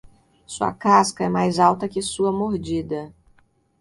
Sua casca é mais alta que sua mordida.